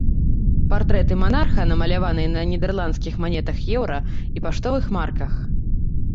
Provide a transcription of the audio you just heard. Партрэты манарха намаляваныя на нідэрландскіх манетах еўра і паштовых марках.